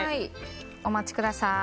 お待ちください。